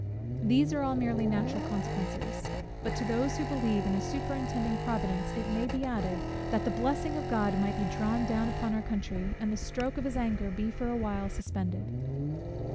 These are all merely natural consequences. But to those who believe in a superintending Providence, it may be added, that the blessing of God might be drawn down upon our country, and the stroke of his anger be for a while suspended.